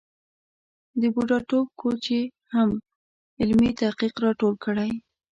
د بوډاتوب کوچ یې هم علمي تحقیق را ټول کړی.